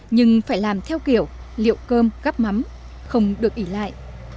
nhưng phải làm theo kiểu liệu cơm gắp mắm không được ỉ lại